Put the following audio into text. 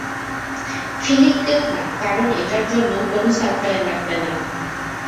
ফিলিপকেও না, কারণ এটার জন্য কোনো সফটওয়্যার লাগবে না।